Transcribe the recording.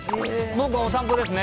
僕はお散歩ですね。